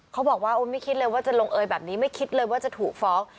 เขาบอกว่าไม่คิดเลยว่าจะลงเอยแบบนี้ไม่คิดเลยว่าจะถูกฟ้อง